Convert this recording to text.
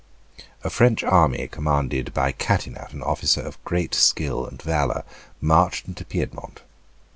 A French army commanded by Catinat, an officer of great skill and valour, marched into Piedmont.